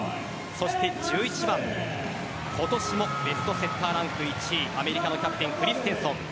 そして１１番今年もベストセッターランク１位アメリカのキャプテンクリステンソン。